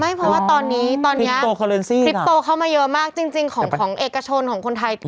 เพราะว่าตอนนี้ตอนนี้คลิปโตเข้ามาเยอะมากจริงของเอกชนของคนไทย